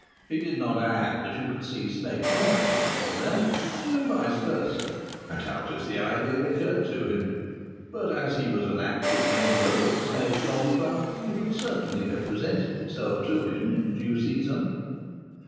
He did not add that you could see the Sneyd Golf Links from there, and vice versa. I doubt if the idea occurred to him, but as he was an active member of the Sneyd Golf Club it would certainly have presented itself to him in due season.